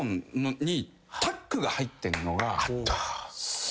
あった。